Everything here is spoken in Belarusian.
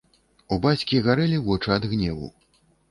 У бацькі гарэлі вочы ад гневу.